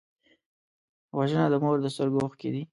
وژنه د مور د سترګو اوښکې دي